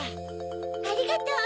ありがとう。